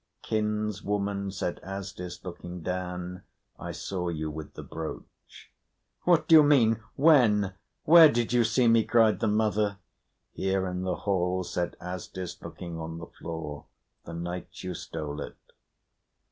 "Kinswoman," said Asdis, looking down, "I saw you with the brooch." "What do you mean? When? Where did you see me?" cried the mother. "Here in the hall," said Asdis, looking on the floor, "the night you stole it."